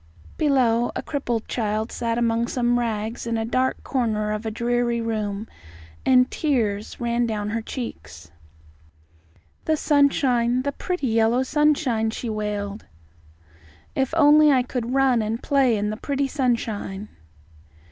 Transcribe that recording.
Below, a crippled child sat among rags in a dark corner of a dreary room, and tears ran down her cheeks. "The sunshine, the pretty yellow sunshine!" she wailed. "If only I could run and play in the pretty sunshine!"